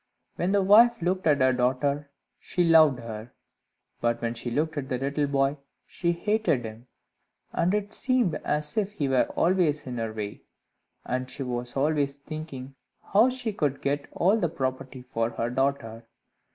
When the wife looked at her daughter, she loved her; but when she looked at the little boy, she hated him, and it seemed as if he were always in her way, and she was always thinking how she could get all the property for her daughter.